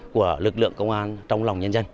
của lực lượng công an trong lòng nhân dân